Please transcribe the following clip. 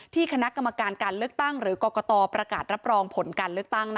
คณะกรรมการการเลือกตั้งหรือกรกตประกาศรับรองผลการเลือกตั้ง